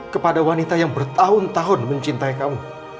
kepada wanita yang bertahun tahun mencintai kamu